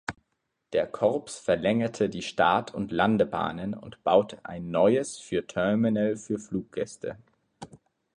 Der Korps verlängerte die Start- und Landebahnen und baute ein neues für Terminal für Fluggäste.